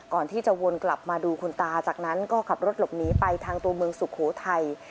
ก่อนที่จะวนกลับมาดูคุณตาจากนั้นก็ขับรถหลบหนีไปทางตัวเมืองสุโขทัย